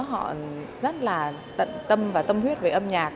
họ rất là tận tâm và tâm huyết với âm nhạc